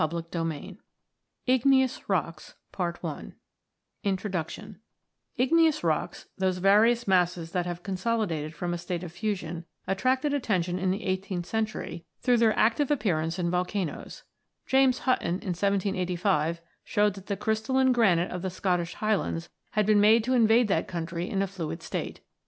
CHAPTER V IGNEOUS ROCKS INTRODUCTION (58) IGNEOUS rocks, those varied masses that have consolidated from a state of fusion, attracted atten tion in the eighteenth century through their active 104 ROCKS AND THEIR ORIGINS [CH. appearance in volcanoes. James Button in 1785 showed that the crystalline granite of the Scottish highlands "had been made to invade that country in a fluid state."